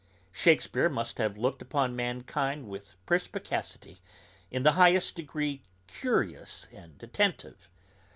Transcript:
Shakespeare must have looked upon mankind with perspicacity, in the highest degree curious and attentive.